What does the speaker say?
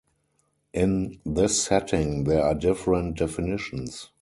In this setting there are different definitions.